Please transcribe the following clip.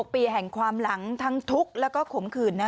ปีแห่งความหลังทั้งทุกข์แล้วก็ขมขื่น